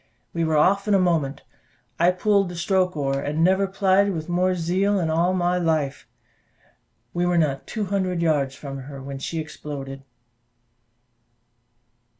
We were off in a moment: I pulled the stroke oar, and I never plied with more zeal in all my life: we were not two hundred yards from her when she exploded.